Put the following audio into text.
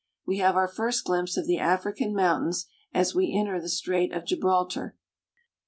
We have our first glimpse of the African mountains as we enter the Strait of Gibraltar, and Gibraliar Bay